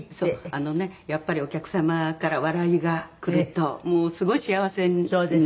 あのねやっぱりお客様から笑いがくるともうすごい幸せになるんです。